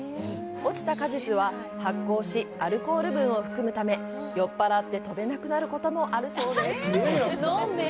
落ちた果実は発酵し、アルコール分を含むため、酔っ払って飛べなくなることもあるそうです。